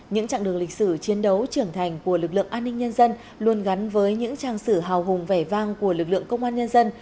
những trạng đường lịch sử chiến đấu trưởng thành của lực lượng an ninh nhân dân luôn gắn với những trang sử hào hùng vẻ vang của lực lượng công an nhân dân